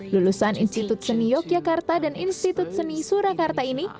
lulusan institut seni yogyakarta dan institut seni surakarta ini